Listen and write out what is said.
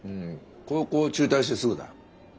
高校中退してすぐだよ。